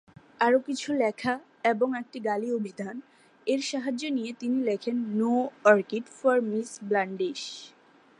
আরো কিছু লেখা এবং একটি ‘গালি অভিধান’ এর সাহায্য নিয়ে তিনি লেখেন ‘no orchid for Miss Blandish’.